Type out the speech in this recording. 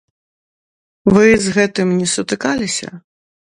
Вы з гэтым не сутыкаліся?